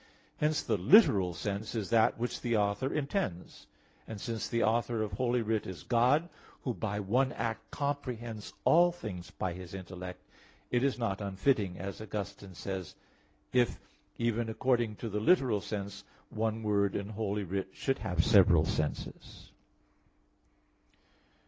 Since the literal sense is that which the author intends, and since the author of Holy Writ is God, Who by one act comprehends all things by His intellect, it is not unfitting, as Augustine says (Confess. xii), if, even according to the literal sense, one word in Holy Writ should have several senses.